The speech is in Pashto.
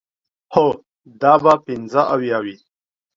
هو، دا به پنځه اویا وي.